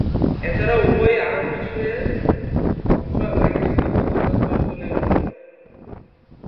এছাড়াও উভয়েই আরব বিশ্ব এর অংশ এবং একই সাথে মধ্যপ্রাচ্য অঞ্চলেই অবস্থিত।